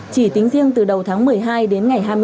chỉ tính riêng từ đầu tháng một mươi hai đến ngày hai mươi chín